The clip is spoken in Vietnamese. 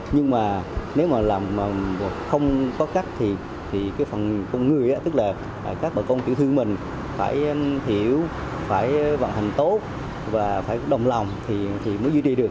nhưng mà nếu mà làm không có cắt thì cái phần con người tức là các bà con tiểu thương mình phải hiểu phải vận hành tốt và phải đồng lòng thì mới duy trì được